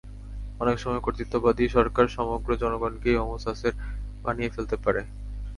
অনেক সময় কর্তৃত্ববাদী সরকার সমগ্র জনগণকেই হোমো সাসের বানিয়ে ফেলতে পারে।